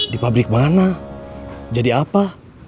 di pabrik mana jadi apa